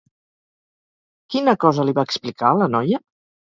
Quina cosa li va explicar a la noia?